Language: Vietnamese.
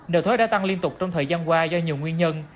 nợ thuế đã tăng liên tục trong thời gian qua do nhiều nguyên nhân